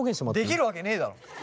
できるわけねえだろ！